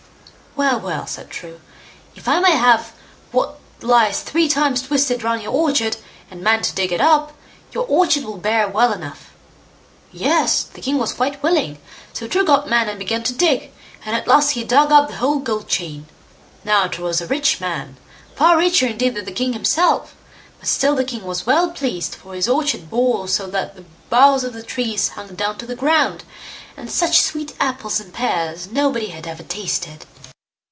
"Well! well!" said True; "if I may have what lies three times twisted round your orchard, and men to dig it up, your orchard will bear well enough." Yes! the king was quite willing, so True got men and began to dig, and at last he dug up the whole gold chain. Now True was a rich man; far richer indeed than the king himself, but still the king was well pleased, for his orchard bore so that the boughs of the trees hung down to the ground, and such sweet apples and pears nobody had ever tasted.